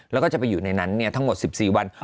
แล้วก็จะไปอยู่ในนั้นทั้งหมด๑๔วัน